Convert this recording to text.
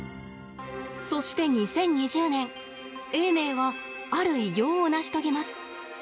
そして２０２０年永明はある偉業を成し遂げます。